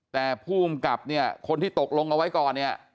แต่ผู้กำกับเนี่ยคนที่ตกลงเอาไว้ก่อนเนี่ย